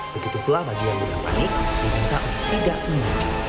begituklah bagian yang panik di tingkat tidak menang